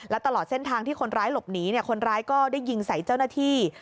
และตลอดเส้นทางที่คนร้ายหลบหนีคนร้ายก็ได้ยิงใส่เจ้าหน้าที่